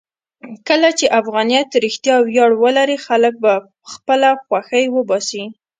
کله چې افغانیت رښتیا ویاړ ولري، خلک به خپله خوښۍ وباسي.